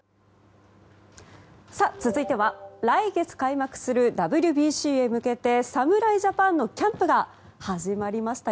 続いては来月開幕するＷＢＣへ向けて侍ジャパンのキャンプが始まりましたよ。